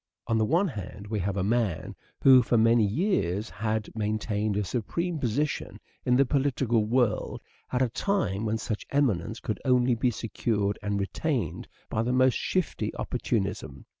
On the one hand we kave a man wh© for many 260 " SHAKESPEARE " IDENTIFIED years had maintained a supreme position in the political world at a time when such eminence could only be secured and retained by the most shifty oppor tunism.